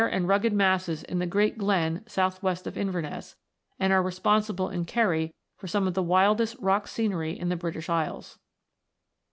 and rugged masses in the Great Glen south west of Inverness, and are responsible in Kerry for some of the wildest rock scenery in the British Isles.